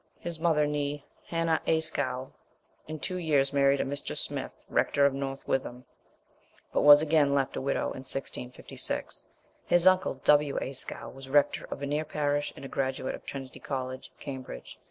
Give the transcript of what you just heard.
His mother, née Hannah Ayscough, in two years married a Mr. Smith, rector of North Witham, but was again left a widow in 1656. His uncle, W. Ayscough, was rector of a near parish and a graduate of Trinity College, Cambridge.